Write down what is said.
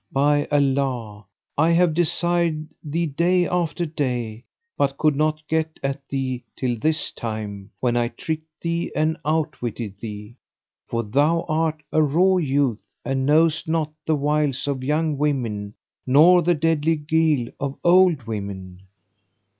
By Allah, I have desired thee day after day but could not get at thee till this time when I tricked thee and outwitted thee; for thou art a raw youth[FN#533] and knowest not the wiles of young women nor the deadly guile of old women."